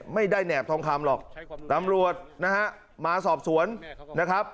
ไม่ได้แหนบทองคำหรอกตำรวจนะฮะมาสอบสวนนะครับ